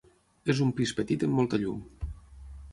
És un pis petit amb molta llum.